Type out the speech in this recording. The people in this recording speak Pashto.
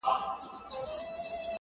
سم د قصاب د قصابۍ غوندي~